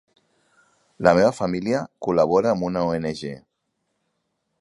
La meva família col·labora en una ONG.